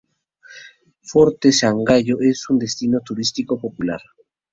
Forte Sangallo es un destino turístico popular.